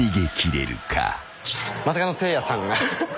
まさかのせいやさんが。